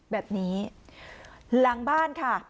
แบบนี้หลังบ้านค่ะ